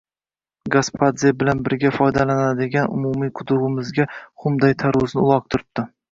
Gospodze bilan birga foydalanadigan umumiy qudugʻimizga xumday tarvuzni uloqtiribdi!